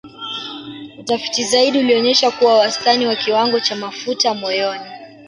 Utafiti zaidi ulionyesha kuwa wastani wa kiwango cha mafuta moyoni